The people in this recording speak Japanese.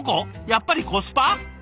やっぱりコスパ！？